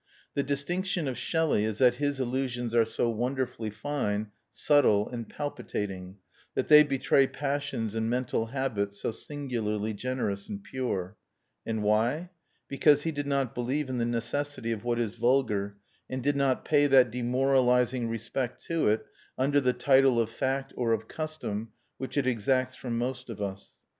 The distinction of Shelley is that his illusions are so wonderfully fine, subtle, and palpitating; that they betray passions and mental habits so singularly generous and pure. And why? Because he did not believe in the necessity of what is vulgar, and did not pay that demoralising respect to it, under the title of fact or of custom, which it exacts from most of us.